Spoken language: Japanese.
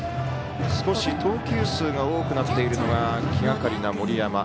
少し投球数が多くなっているのが気がかりな森山。